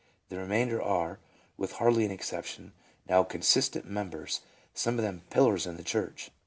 The remainder are, with hardly an exception, now consistent members, — some of them pillars in the church."